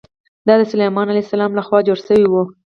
دا د سلیمان علیه السلام له خوا جوړ شوی و.